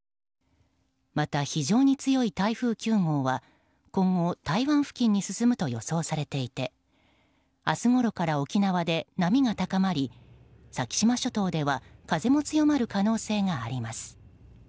また、非常に強い台風９号は今後、台湾付近に進むと予想されていて明日ごろから沖縄で波が高まり先島諸島では風も強まる可能性があります。